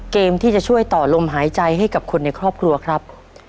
เกมที่จะช่วยต่อลมหายใจให้กับคนในครอบครัวครับ